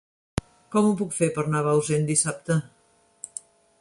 Com ho puc fer per anar a Bausen dissabte?